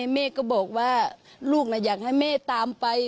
แม่ก็บอกว่าลูกอยากให้แม่ตามไป